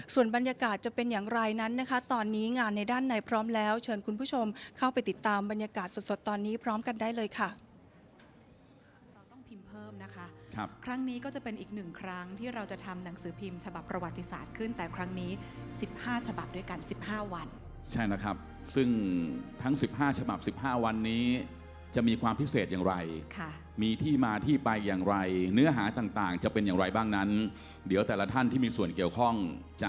ส่วนบรรยากาศจะเป็นอย่างไรนั้นนะคะตอนนี้งานในด้านในพร้อมแล้วเชิญคุณผู้ชมเข้าไปติดตามบรรยากาศสดตอนนี้พร้อมกันได้เลยค่ะ